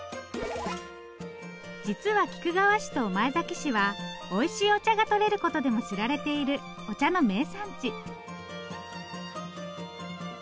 実は菊川市と御前崎市はおいしいお茶がとれることでも知られているお茶の名産地。